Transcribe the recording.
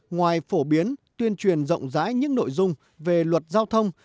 ngoài phổ biến tuyên truyền rộng rãi những nội dung về luật giao thông